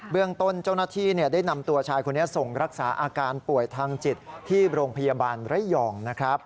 เรื่องต้นเจ้าหน้าที่ได้นำตัวชายคนนี้ส่งรักษาอาการป่วยทางจิตที่โรงพยาบาลระยองนะครับ